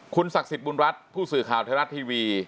ศักดิ์สิทธิ์บุญรัฐผู้สื่อข่าวไทยรัฐทีวี